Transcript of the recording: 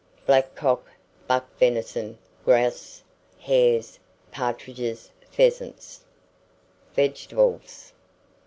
Blackcock, buck venison, grouse, hares, partridges, pheasants. VEGETABLES.